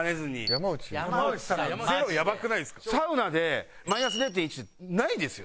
サウナでマイナス０．１ないですよ